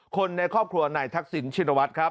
คนในครอบครัวนายทักษิณชินวัฒน์ครับ